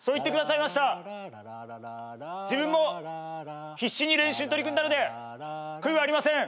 自分も必死に練習に取り組んだので悔いはありません。